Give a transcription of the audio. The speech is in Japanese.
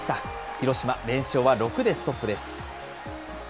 広島、連勝は６でストップです。